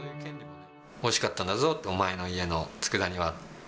おいしかったんだぞって、お前の家のつくだ煮は。